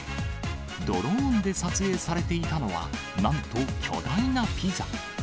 ドローンで撮影されていたのは、なんと巨大なピザ。